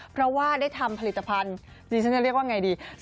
เพราะว่าได้ทำผลิตภัณฑ์ดิฉันจะเรียกว่าไงดี